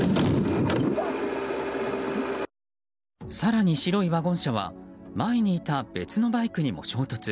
更に、白いワゴン車は前にいた別のバイクにも衝突。